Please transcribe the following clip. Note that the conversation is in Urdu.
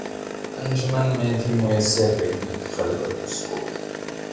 انجمن میں بھی میسر رہی خلوت اس کو